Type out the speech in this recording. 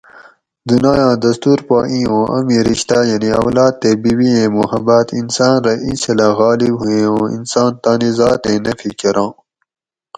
دُنایاں دستور پا ایں اُوں امیں رشتاۤ یعنی اولاد تے بی بی ایں محبت انسان رہ ایں چھلہ غالب ہویں اُوں انسان تانی ذاتیں نفی کراۤں